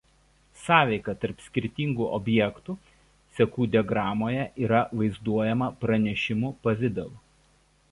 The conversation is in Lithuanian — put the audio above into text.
Sąveika tarp skirtingų objektų sekų diagramoje yra vaizduojama pranešimų pavidalu.